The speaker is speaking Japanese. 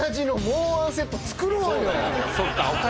そっか。